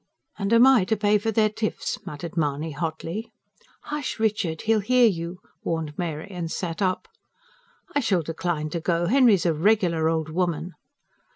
"And am I to pay for their tiffs?" muttered Mahony hotly. "Hush, Richard! He'll hear you," warned Mary, and sat up. "I shall decline to go. Henry's a regular old woman."